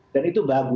dan itu bagus